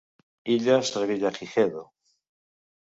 Illes Revillagigedo.